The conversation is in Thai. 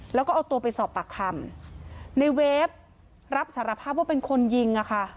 แล้วก็เอาตัวไปสอบปากคำในเวฟรับสารภาพว่าเป็นคนยิงอ่ะค่ะ